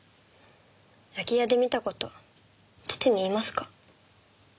空き家で見た事父に言いますか？